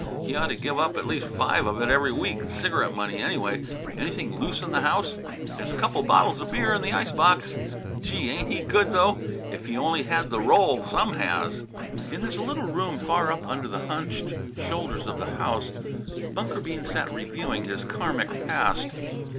He ought to give up at least five of it every week; cigarette money, anyway. Anything loose in the house?" "They's a couple bottles beer in the icebox. Gee! ain't he good, though! If he only had the roll some has!" In his little room far up under the hunched shoulders of the house, Bunker Bean sat reviewing his Karmic past.